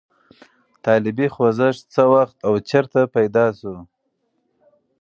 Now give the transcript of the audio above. طالبي خوځښت څه وخت او چېرته پیدا شو؟